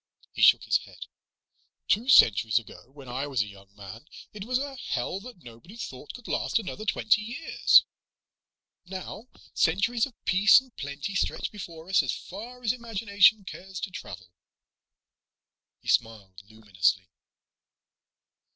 He shook his head. "Two centuries ago, when I was a young man, it was a hell that nobody thought could last another twenty years. Now centuries of peace and plenty stretch before us as far as the imagination cares to travel." He smiled luminously.